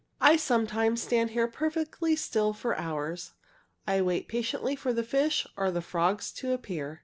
"I sometimes stand here perfectly still for hours. I wait patiently for the fish or the frogs to appear.